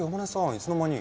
いつの間に。